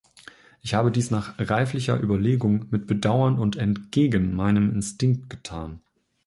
Ich habe dies nach reiflicher Überlegung, mit Bedauern und entgegen meinem Instinkt getan.